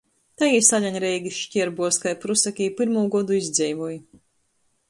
Tai jī salein Reigys škierbuos kai prusaki i pyrmū godu izdzeivoj.